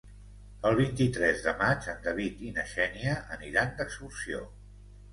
El vint-i-tres de maig en David i na Xènia aniran d'excursió.